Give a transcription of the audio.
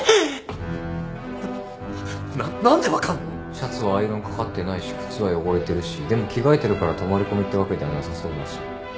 シャツはアイロンかかってないし靴は汚れてるしでも着替えてるから泊まり込みってわけではなさそうだし。